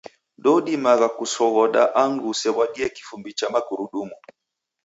Ndoudimagha kusoghoda andu usew'adie kifumbi cha magurudumu.